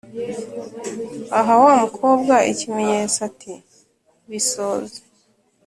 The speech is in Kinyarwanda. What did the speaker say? aha wamukobwa ikimenyetso ati"bisoze